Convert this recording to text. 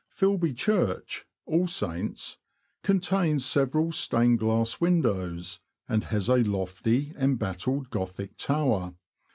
Filby Church (All Saints') contains several stained glass windows, and has a lofty, embattled Gothic tower.